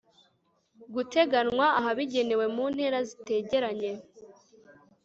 guteganywa ahabigenewe mu ntera zitegeranye